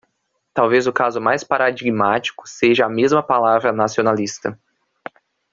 Talvez o caso mais paradigmático seja a mesma palavra "nacionalista".